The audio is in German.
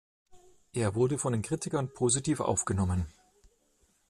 Er wurde von den Kritikern positiv aufgenommen.